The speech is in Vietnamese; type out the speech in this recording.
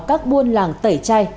các buôn làng tẩy chay